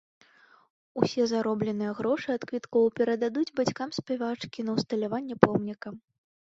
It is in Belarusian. Усе заробленыя грошы ад квіткоў перададуць бацькам спявачкі на ўсталяванне помніка.